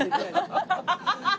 ハハハハ！